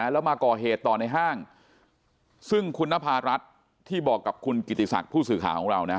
แล้วมาก่อเหตุต่อในห้างซึ่งคุณนภารัฐที่บอกกับคุณกิติศักดิ์ผู้สื่อข่าวของเรานะ